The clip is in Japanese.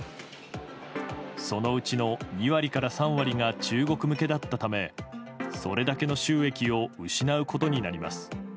そのうちの２割から３割が中国向けだったためそれだけの収益を失うことになります。